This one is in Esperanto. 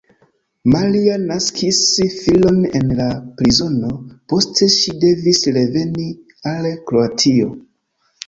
Maria naskis filon en la prizono, poste ŝi devis reveni al Kroatio.